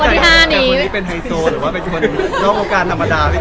เหมือนเพื่อคนอยู่กันนัมระดาษ